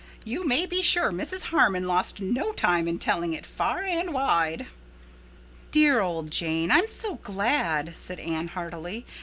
You may be sure Mrs. Harmon lost no time in telling it far and wide." "Dear old Jane—I'm so glad," said Anne heartily.